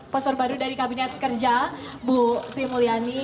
postur baru dari kabinet kerja bu sri mulyani